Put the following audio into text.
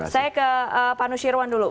saya ke pak nusirwan dulu